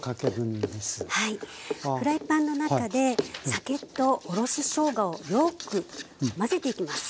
フライパンの中で酒とおろししょうがをよく混ぜていきます。